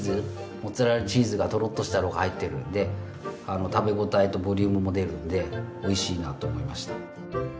モッツァレラチーズがとろっとしたのが入ってるんで食べごたえとボリュームも出るんで美味しいなと思いました。